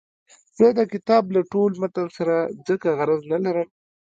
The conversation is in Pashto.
زه د کتاب له ټول متن سره ځکه غرض نه لرم.